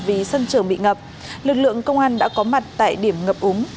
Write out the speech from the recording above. vì sân trường bị ngập lực lượng công an đã có mặt tại điểm ngập úng